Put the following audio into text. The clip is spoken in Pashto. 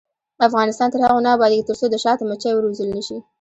افغانستان تر هغو نه ابادیږي، ترڅو د شاتو مچۍ وروزل نشي.